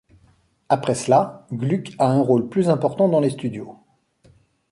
Après cela, Gluck a un rôle plus important dans les studios.